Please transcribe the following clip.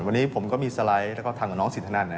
วันนี้ผมก็มีสไลด์แล้วก็ทำกับน้องสินทนัน